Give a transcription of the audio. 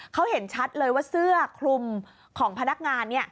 เขาเห็นชัดเลยว่าเสื้อคลุมของพนักงาน